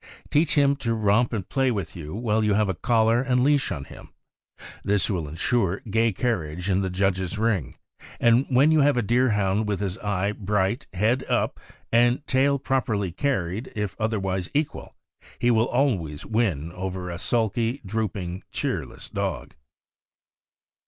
Teach him to romp and play with you while you have a collar and leash on him. This will insure gay carriage in the judge's ring; and when you have a Deer hound with his eye bright, head up, and tail properly car ried, if otherwise equal, he will always win over a sulky, drooping, cheerless dog.